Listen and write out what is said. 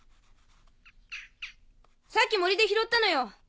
さっき森で拾ったのよ。